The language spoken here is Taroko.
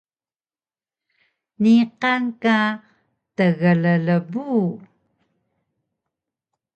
niqan ka tgllbu